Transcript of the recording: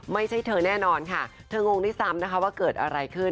ไม่ใช่เธอแน่นอนค่ะเธองงด้วยซ้ำนะคะว่าเกิดอะไรขึ้น